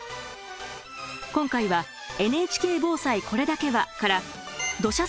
今回は「ＮＨＫ防災これだけは」から土砂災害の前兆について。